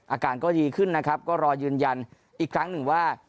อาการก็ดีขึ้นนะครับก็รอยืนยันอีกครั้งหนึ่งว่า